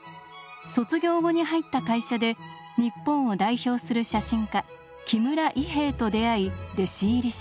卒業後に入った会社で日本を代表する写真家木村伊兵衛と出会い弟子入りします。